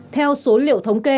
theo số liệu thống kê